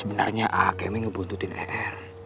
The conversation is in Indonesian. sebenarnya akemi ngebuntutin er